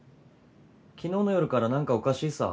昨日の夜から何かおかしいさ。